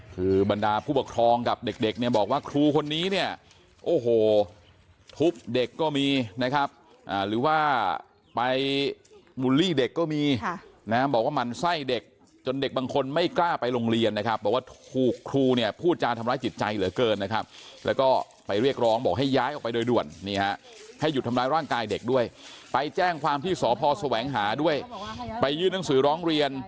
คือบรรดาผู้ปกครองกับเด็กเด็กเนี่ยบอกว่าครูคนนี้เนี่ยโอ้โหทุบเด็กก็มีนะครับหรือว่าไปบูลลี่เด็กก็มีนะบอกว่าหมั่นไส้เด็กจนเด็กบางคนไม่กล้าไปโรงเรียนนะครับบอกว่าถูกครูเนี่ยพูดจาทำร้ายจิตใจเหลือเกินนะครับแล้วก็ไปเรียกร้องบอกให้ย้ายออกไปโดยด่วนนี่ฮะให้หยุดทำร้ายร่างกายเด็กด้วยไปแจ้งความที่สพแสวงหาด้วยไปยื่นหนังสือร้องเรียน